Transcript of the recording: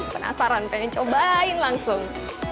penasaran pengen cobain langsung